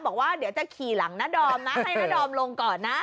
บอกว่าเดี๋ยวจะขี่หลังณะดอมนะ